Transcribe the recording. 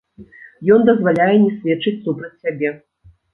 Ён дазваляе не сведчыць супраць сябе.